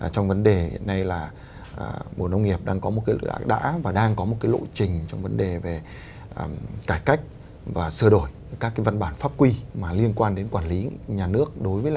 trong vấn đề này là bộ nông nghiệp đang có một cái lựa đá và đang có một cái lộ trình trong vấn đề về cải cách và sơ đổi các cái văn bản pháp quy mà liên quan đến quản lý nhà nước